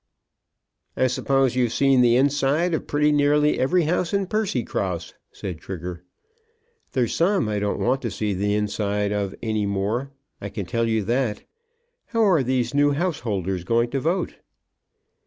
"I suppose you've seen the inside of pretty nearly every house in Percycross," said Trigger. "There's some I don't want to see the inside of any more. I can tell you that. How are these new householders going to vote?"